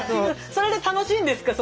それで楽しいんですか？